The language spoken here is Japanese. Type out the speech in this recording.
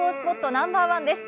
ナンバーワンです。